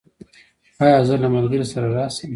ایا زه له ملګري سره راشم؟